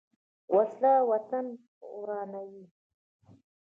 وسله وطن ورانوي